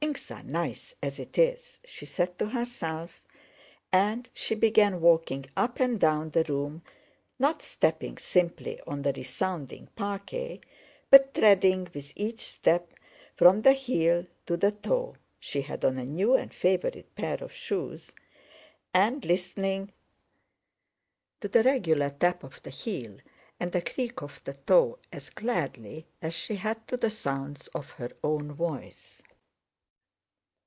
Things are nice as it is," she said to herself, and she began walking up and down the room, not stepping simply on the resounding parquet but treading with each step from the heel to the toe (she had on a new and favorite pair of shoes) and listening to the regular tap of the heel and creak of the toe as gladly as she had to the sounds of her own voice.